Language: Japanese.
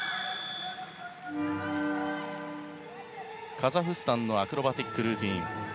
カザフスタンのアクロバティックルーティン。